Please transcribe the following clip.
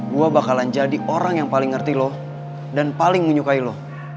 gue bakalan jadi orang yang paling ngerti lo dan paling menyukai lo